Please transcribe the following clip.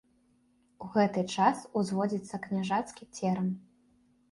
У гэты час узводзіцца княжацкі церам.